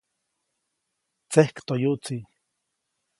Tsekjtoyuʼtsi.